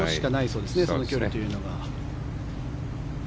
その距離というのが。